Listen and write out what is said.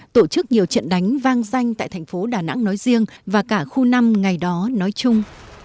tổ chức nhiều trận đánh vang danh tại thành phố đà nẵng nói riêng và cả khu năm ngày đó nói chung